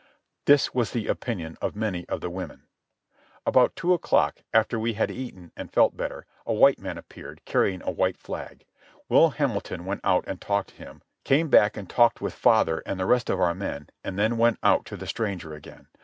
This was the opinion of many of the women. About two o'clock, after we had eaten and felt better, a white man appeared, carrying a white flag. Will Hamilton went out and talked to him, came back and talked with father and the rest of our men, and then went out to the stranger again.